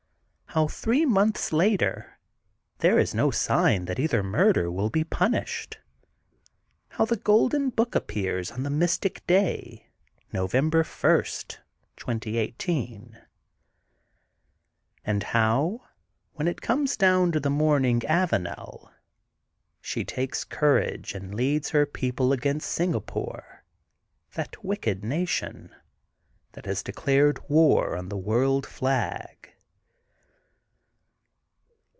HOW THREE MONTHS LATER THERE IS NO SIGN THAT EITHER MURDER WILL BE PUN ISHED. HOW THE GOLDEN BOOK APPEARS ON THE MYSTIC DAY. NOVEMBER 1, 2018 AND HOW, WHEN IT COMES DOWN TO THE MOURNING AVANEL, SHE TAKERS COUR AGE AND LEADS HER PEOPLE AGAINST SINGAPORE, THAT WICKED NATION, THAT HAS DECLARED WAR ON THE WORLD FLAG.